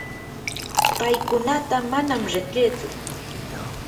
paykunata manam riqitsu.